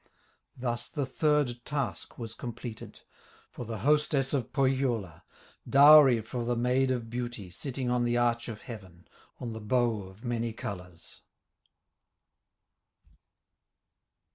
Thus the third task was completed, For the hostess of Pohyola, Dowry for the Maid of Beauty Sitting on the arch of heaven, On the bow of many colors.